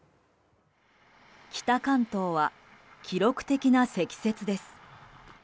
北関東は記録的な積雪です。